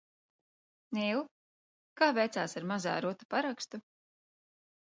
"Nīl, kā veicās ar "Mazā" Ruta parakstu?"